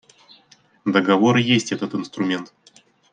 Договор и есть этот инструмент.